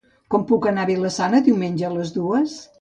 Com puc anar a Vila-sana diumenge a les dues?